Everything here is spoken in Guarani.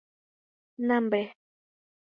Nambre.